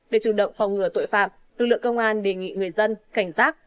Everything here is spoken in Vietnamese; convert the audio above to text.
để chủ động phòng ngừa tội phạm lực lượng công an đề nghị người dân cảnh giác